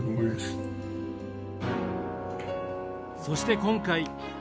そして今回。